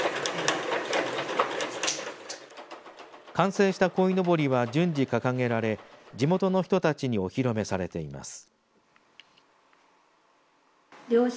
完成したこいのぼりは順次掲げられ地元の人たちにお披露目されています。